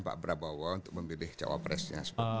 pak prabowo untuk memilih cawapresnya